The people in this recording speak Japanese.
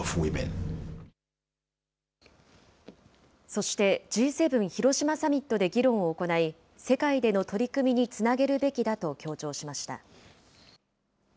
そして、Ｇ７広島サミットで議論を行い、世界での取り組みにつなげるべきだと強調しました。